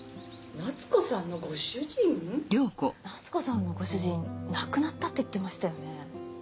夏子さんのご主人亡くなったって言ってましたよね？